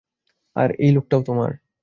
আর এই লুকটাও আমার।